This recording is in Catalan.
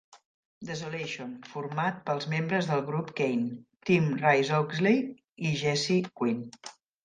Desolation, format pels membres del grup Keane: Tim Rice-Oxley i Jesse Quin.